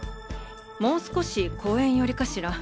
もう少し公園寄りかしら。